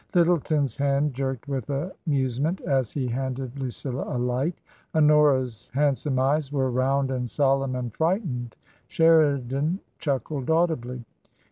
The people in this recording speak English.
Lyttleton's hand jerked with amusement as he handed Lucilla a light Honora's handsome eyes were round and solemn and frightened. Sheridan chuckled audibly.